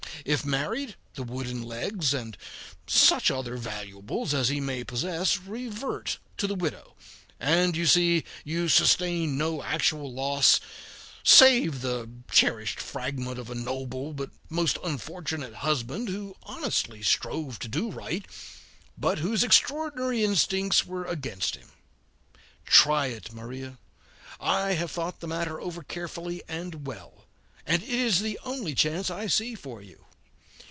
If married, the wooden legs and such other valuables as he may possess revert to the widow, and you see you sustain no actual loss save the cherished fragment of a noble but most unfortunate husband, who honestly strove to do right, but whose extraordinary instincts were against him. Try it, Maria. I have thought the matter over carefully and well, and it is the only chance I see for you.